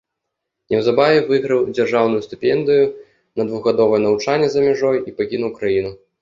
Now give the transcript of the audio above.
Неўзабаве выйграў дзяржаўную стыпендыю на двухгадовае навучанне за мяжой і пакінуў краіну.